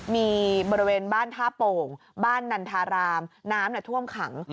มีบริเวณบ้านท่าโป่งบ้านนันทารามน้ำท่วมขัง